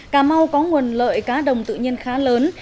cà mau có nguồn lợi cá đồng tự nhiên khá lớn